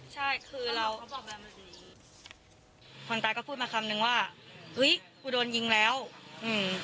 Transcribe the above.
ใช่คือเราคนตายก็พูดมาคำหนึ่งว่าอุ๊ยกูโดนยิงแล้วอืม